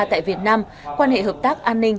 tại việt nam quan hệ hợp tác an ninh